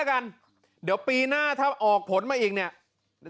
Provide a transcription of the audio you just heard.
แล้วกันเดี๋ยวปีหน้าถ้าออกผลมาอีกเนี่ย